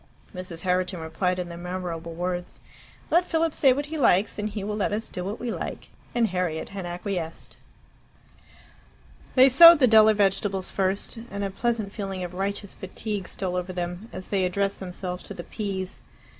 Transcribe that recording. Mrs. Herriton replied in the memorable words, "Let Philip say what he likes, and he will let us do what we like." And Harriet had acquiesced. They sowed the duller vegetables first, and a pleasant feeling of righteous fatigue stole over them as they addressed themselves to the peas.